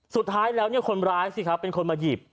สุดท้ายแล้วคนร้ายสิครับเป็นคนมาหยิบ